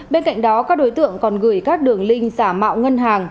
bên cạnh đó các đối tượng còn gửi các đường link giả mạo ngân hàng